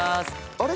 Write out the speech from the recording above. あれ？